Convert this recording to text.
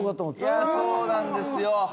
いやあそうなんですよ。